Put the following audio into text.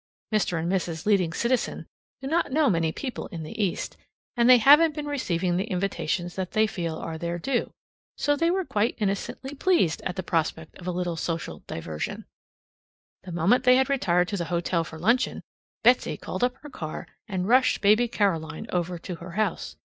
Mr. and Mrs. Leading Citizen do not know many people in the East, and they haven't been receiving the invitations that they feel are their due; so they were quite innocently pleased at the prospect of a little social diversion. The moment they had retired to the hotel for luncheon, Betsy called up her car, and rushed baby Caroline over to her house.